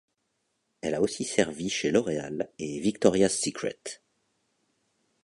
Elle a aussi servi chez L'Oréal et Victoria's Secret.